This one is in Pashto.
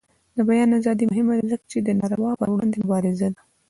د بیان ازادي مهمه ده ځکه چې د ناروا پر وړاندې مبارزه ده.